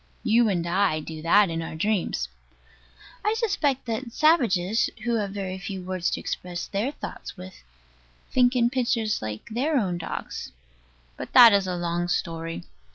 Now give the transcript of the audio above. You and I do that in our dreams. I suspect that savages, who have very few words to express their thoughts with, think in pictures, like their own dogs. But that is a long story.